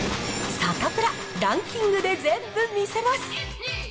サタプラ、ランキングで全部見せます。